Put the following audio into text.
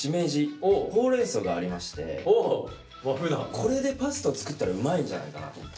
これでパスタを作ったらうまいんじゃないかなと思って。